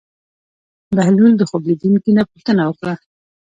بهلول د خوب لیدونکي نه پوښتنه وکړه.